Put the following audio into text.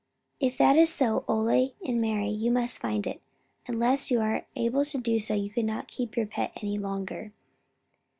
If that is so, Ole and Mari, you must find it. Unless you are able to do so, you cannot keep your pet any longer."